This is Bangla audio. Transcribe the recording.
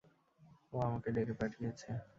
ও আমাকে ডেকে পাঠিয়েছে।